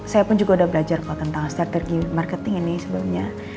saya pun juga udah belajar kok tentang strategi marketing ini sebelumnya